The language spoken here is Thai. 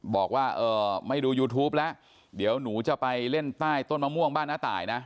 บอกว่าไม่ดูยูทูปแล้วเดี๋ยวหนูจะไปเล่นใต้ต้นมะม่วงบ้านน้าตายนะ